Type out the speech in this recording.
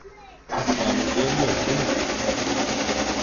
Bamge me buné,